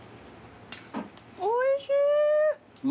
おいしい！